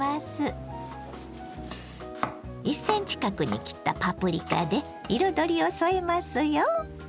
１ｃｍ角に切ったパプリカで彩りを添えますよ。